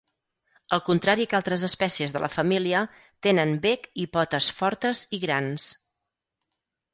Al contrari que altres espècies de la família, tenen bec i potes fortes i grans.